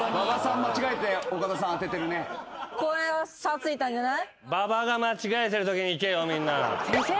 これは差ついたんじゃない？